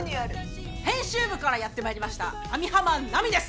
編集部からやって参りました網浜奈美です。